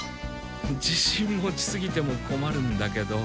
じしん持ちすぎてもこまるんだけど。